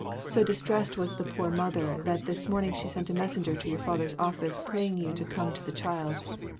So distressed was the poor mother, that this morning she sent a messenger to your father's office praying you to come to the child.